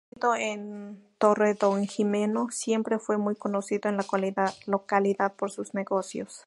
Nacido en Torredonjimeno siempre fue muy conocido en la localidad por sus negocios.